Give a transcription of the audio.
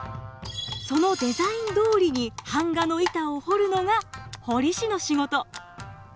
そのデザインどおりに版画の板を彫るのが彫師の仕事。